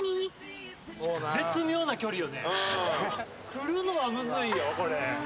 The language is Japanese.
来るのはむずいよこれ。